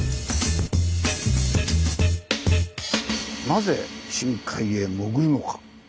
「なぜ深海へ潜るのか？」。